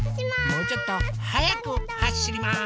もうちょっとはやくはしります。